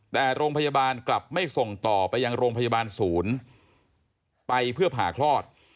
แต่โรงพยาบาลกลับไม่ส่งต่อไปยังโรงพยาบาลศูนย์ไปเพื่อผ่าคลอด